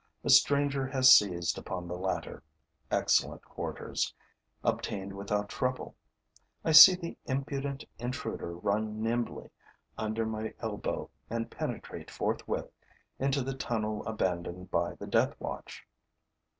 A stranger has seized upon the latter, excellent quarters, obtained without trouble. I see the impudent intruder run nimbly under my elbow and penetrate forthwith into the tunnel abandoned by the death watch.